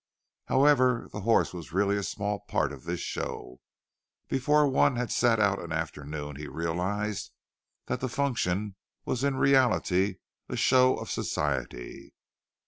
However, the horse was really a small part of this show; before one had sat out an afternoon he realized that the function was in reality a show of Society.